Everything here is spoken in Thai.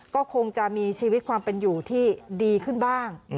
ก็คงจะมีชีวิตความเป็นอยู่ที่ดีขึ้นบ้าง